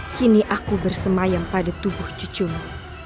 kini aku bersemayam pada tubuh cucumu